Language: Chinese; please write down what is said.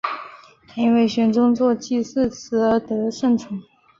他因为玄宗作祭祀词而得圣宠。